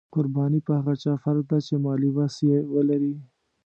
قرباني په هغه چا فرض ده چې مالي وس یې ولري.